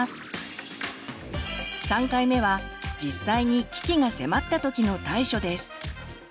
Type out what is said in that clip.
３回目は実際に危機が迫ったときの対処です。